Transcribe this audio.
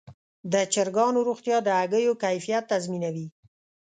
د چرګانو روغتیا د هګیو کیفیت تضمینوي.